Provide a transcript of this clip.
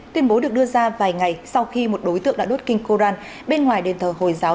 tuyên bố được đưa ra vài ngày sau khi một đối tượng đã đốt kinh koran bên ngoài đền thờ hồi giáo